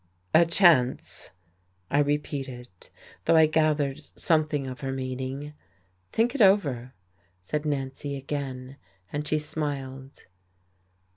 "A chance!" I repeated, though I gathered something of her meaning. "Think it over, said Nancy again. And she smiled.